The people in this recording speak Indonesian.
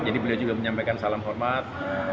jadi beliau juga menyampaikan salam hormat